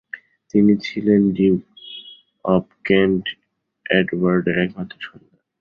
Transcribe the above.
তিনি ছিলেন duke of Kent এডওয়ার্ডের একমাত্র সন্তান।